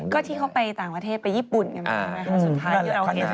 ก็ที่เขาไปต่างประเทศไปญี่ปุ่นอย่างนั้นนะคะสุดท้าย